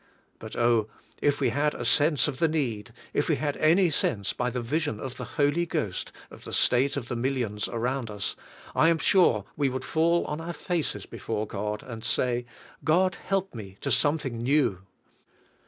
But oh, if vv^e had a sense of the need, if we had any sense, b}' the vision of the Holy Ghost, of the state of the millions around us, I am sure we would fall on our faces before God and say, "God 144 JO V IN THE HOL Y GHOST help me to something new.